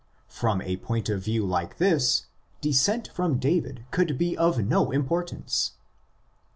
From a point of view like this, descent from David could be of no importance.